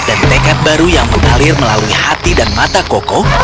dan dekat baru yang mengalir melalui hati dan mata koko